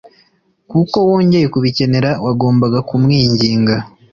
kuko wongeye kubikenera, wagomba kumwinginga